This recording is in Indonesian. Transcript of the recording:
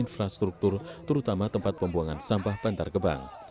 selain infrastruktur terutama tempat pembuangan sampah pantar kebang